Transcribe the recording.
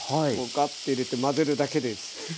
ガッと入れて混ぜるだけです。